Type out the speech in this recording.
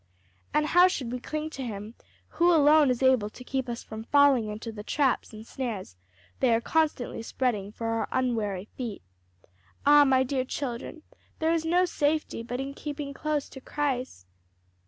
And how should we cling to him who alone is able to keep us from falling into the traps and snares they are constantly spreading for our unwary feet. Ah, my dear children, there is no safety but in keeping close to Christ!"